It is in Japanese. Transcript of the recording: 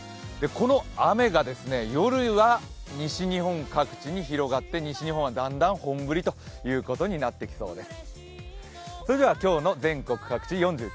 この雨がですね、夜は西日本各地に広がって西日本はだんだん本降りということになってきそうです。